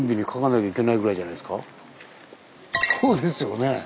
そうですよね。